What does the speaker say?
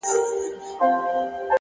هره لاسته راوړنه د زحمت ثبوت دی!.